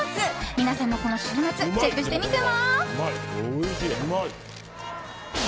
皆さんもこの週末チェックしてみては？